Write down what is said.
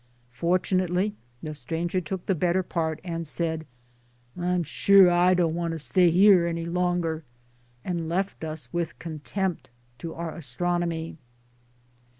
Fortunately the stranger took the better part, and said "I'm sure I don't want to stay 'ere any longer " and left us with contempt to our Astronomy.